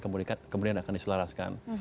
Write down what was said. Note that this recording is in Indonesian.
kemudian akan diselaraskan